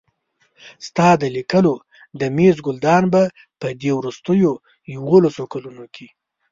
ستا د لیکلو د مېز ګلدان به په دې وروستیو یوولسو کلونو کې.